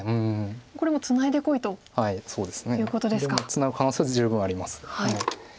ツナぐ可能性は十分あります。